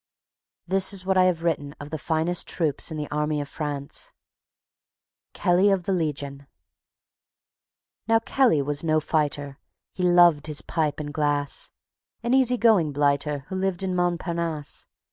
This is what I have written of the finest troops in the Army of France: Kelly of the Legion Now Kelly was no fighter; He loved his pipe and glass; An easygoing blighter, Who lived in Montparnasse.